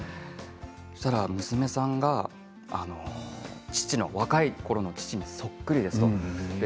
そしたら娘さんが父の若いころにそっくりですと。